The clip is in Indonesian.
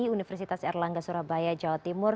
universitas erlangga surabaya jawa timur